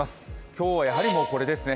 今日はやはりこれですね。